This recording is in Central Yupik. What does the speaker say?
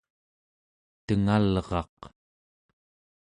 tengalraq